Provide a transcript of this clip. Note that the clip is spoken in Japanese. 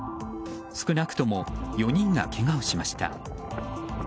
少なくとも４人がけがをしました。